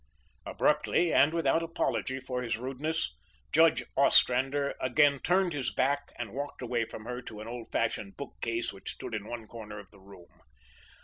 Abruptly, and without apology for his rudeness, Judge Ostrander again turned his back and walked away from her to an old fashioned bookcase which stood in one corner of the room.